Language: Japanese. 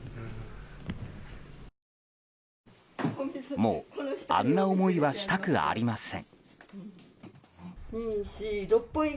もう、あんな思いはしたくありません。